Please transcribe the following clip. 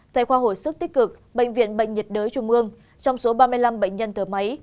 tại khoa hồi sức tích cực bệnh viện bệnh nhiệt đới trung ương trong số ba mươi năm bệnh nhân thở máy